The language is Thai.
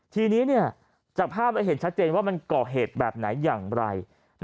ทีนี้จากภาพเราเห็นชัดเจนว่ามันก่อเหตุแบบไหนอย่างไร